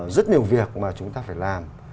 rất nhiều việc mà chúng ta phải làm